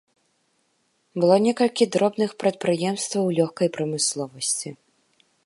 Было некалькі дробных прадпрыемстваў лёгкай прамысловасці.